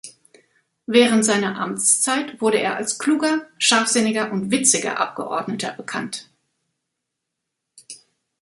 Während seiner Amtszeit wurde er als kluger, scharfsinniger und witziger Abgeordneter bekannt.